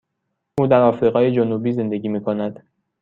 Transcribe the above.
او در آفریقای جنوبی زندگی می کند.